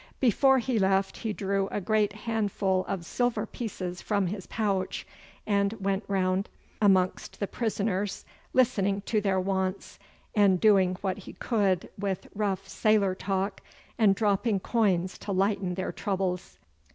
Before he left he drew a great handful of silver pieces from his pouch, and went round amongst the prisoners, listening to their wants, and doing what he could with rough sailor talk and dropping coins to lighten their troubles.